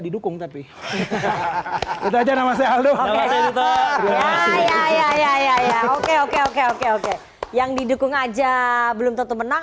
didukung tapi itu aja nama saya ya oke oke oke oke oke yang didukung aja belum tentu menang